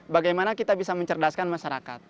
bagaimana kita bisa mencerdaskan masyarakat